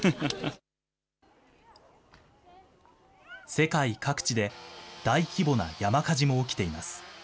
世界各地で大規模な山火事も起きています。